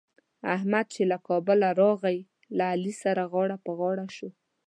احمد چې له کابله راغی؛ له علي سره غاړه په غاړه شو.